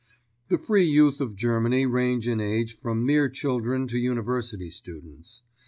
The Free Youth of Germany range in age from mere children to University students.